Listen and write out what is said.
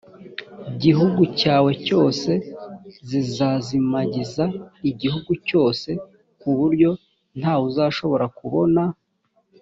gihugu cyawe cyose zizazimagiza igihugu cyose ku buryo nta wuzashobora kubona